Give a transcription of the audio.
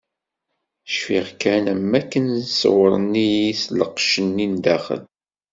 Cfiɣ kan am wakken ṣewren-iyi s lqecc-nni n daxel.